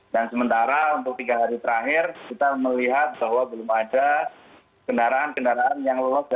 dan sementara untuk tiga hari terakhir kita melihat bahwa belum ada kendaraan kendaraan yang lewat dari cirebon